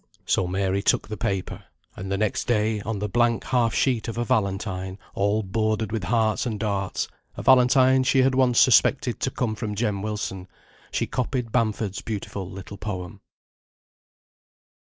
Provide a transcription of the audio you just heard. So Mary took the paper. And the next day, on the blank half sheet of a valentine, all bordered with hearts and darts a valentine she had once suspected to come from Jem Wilson she copied Bamford's beautiful little poem.